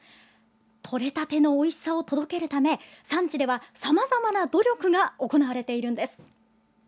取れたてのおいしさを届けるため、産地では、さまざまな努力が行われているんです。